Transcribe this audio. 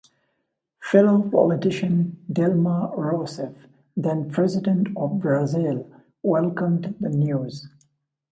Fellow politician Dilma Rousseff, then president of Brazil, welcomed the news.